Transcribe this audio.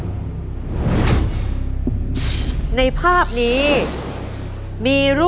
คุณยายแจ้วเลือกตอบจังหวัดนครราชสีมานะครับ